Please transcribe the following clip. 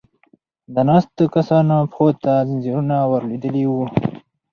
د ناستو کسانو پښو ته ځنځيرونه ور لوېدلې و.